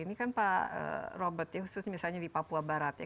ini kan pak robert ya khusus misalnya di papua barat ya